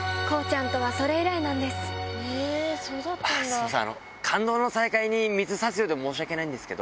すいません。